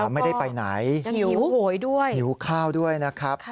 ไม่ได้ไปไหนยังหิวข้าวด้วยนะครับ